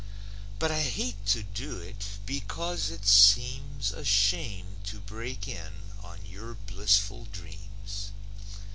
But I hate to do it, because it seems A shame to break in on your blissful dreams.